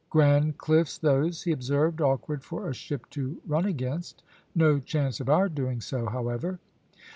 "Grand cliffs those," he observed; "awkward for a ship to run against. No chance of our doing so, however."